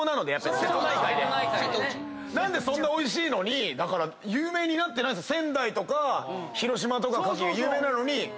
何でそんなおいしいのに有名になってないんですよ。